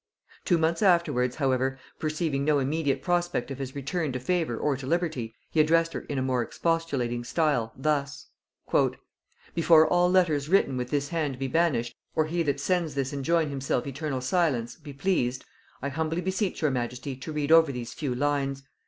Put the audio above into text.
'" Two months afterwards, however, perceiving no immediate prospect of his return to favor or to liberty, he addressed her in a more expostulating style, thus: "Before all letters written with this hand be banished, or he that sends this enjoin himself eternal silence, be pleased, I humbly beseech your majesty, to read over these few lines.